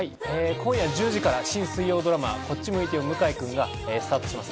今夜１０時から新水曜ドラマ『こっち向いてよ向井くん』がスタートします。